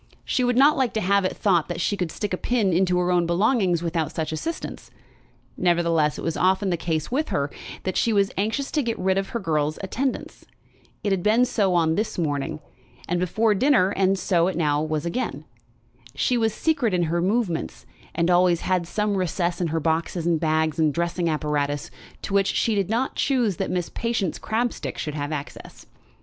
She would not like to have it thought that she could stick a pin into her own belongings without such assistance. Nevertheless it was often the case with her, that she was anxious to get rid of her girl's attendance. It had been so on this morning, and before dinner, and was so now again. She was secret in her movements, and always had some recess in her boxes and bags and dressing apparatuses to which she did not choose that Miss Patience Crabstick should have access.